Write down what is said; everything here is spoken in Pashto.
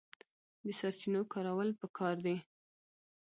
د سرچینو کارول پکار دي